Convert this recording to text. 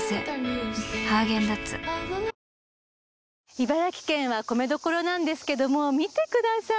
茨城県は米どころなんですけども見てください